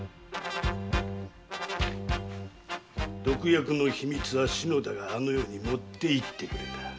毒薬の秘密は篠田があの世に持っていってくれた。